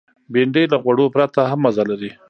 بېنډۍ له غوړو پرته هم مزه لري